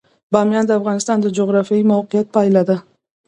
بامیان د افغانستان د جغرافیایي موقیعت پایله ده.